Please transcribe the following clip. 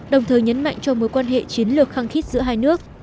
đồng thời nhấn mạnh cho mối quan hệ chiến lược khăng khít giữa hai nước